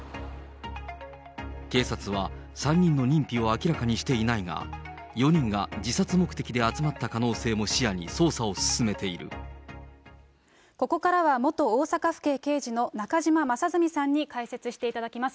警察は、３人の認否を明らかにしていないが、４人が自殺目的で集まった可能性も視野に、ここからは、元大阪府警刑事の中島正純さんに解説していただきます。